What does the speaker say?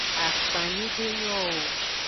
Akpanyi de nyo o.